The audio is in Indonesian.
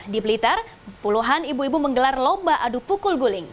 di blitar puluhan ibu ibu menggelar lomba adu pukul guling